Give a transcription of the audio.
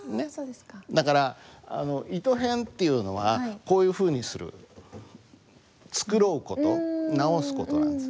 だから糸偏っていうのはこういうふうにする繕う事直す事なんです。